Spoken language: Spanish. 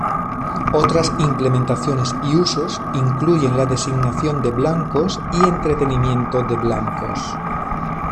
Otras implementaciones y usos incluyen la designación de blancos y entrenamiento de blancos.